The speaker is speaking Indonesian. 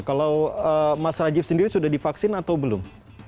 kalau mas rajiv sendiri sudah divaksin atau belum